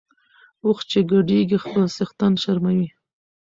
اوښ چی ګډیږي خپل څښتن شرموي .